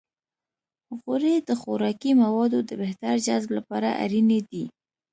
غوړې د خوراکي موادو د بهتر جذب لپاره اړینې دي.